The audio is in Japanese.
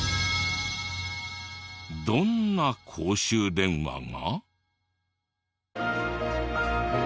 どんな公衆電話が？